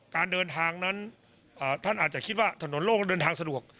การเดินทางนั้นท่านอาจจะคิดว่าถนนโลกเดินทางสะดวก